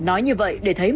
ở chợ thanh lâm